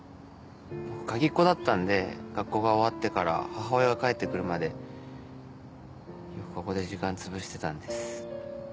僕鍵っ子だったんで学校が終わってから母親が帰ってくるまでよくここで時間潰してたんです。